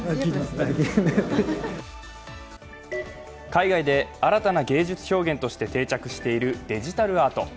海外で新たな芸術表現として定着しているデジタルアート。